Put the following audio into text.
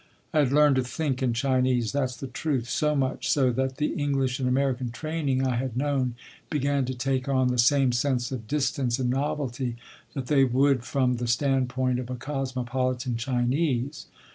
I had learned to think in Chinese—that’s the truth—so much so that the English and American training I had known began to take on the same sense of distance and novelty that they would from the standpoint of a cosmopolitan Chinese.